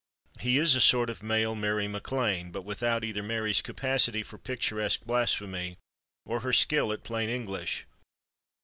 He is a sort of male Mary MacLane, but without either Mary's capacity for picturesque blasphemy or her skill at plain English.